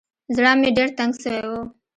زړه مې ډېر تنګ سوى و.